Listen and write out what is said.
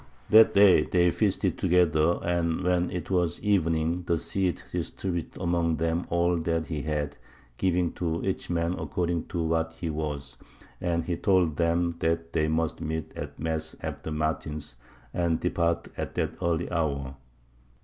That day they feasted together, and when it was evening the Cid distributed among them all that he had, giving to each man according to what he was; and he told them that they must meet at mass after matins, and depart at that early hour.